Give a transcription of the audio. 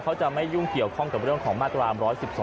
เขาจะไม่ยุ่งเกี่ยวข้องกับเรื่องของมาตรา๑๑๒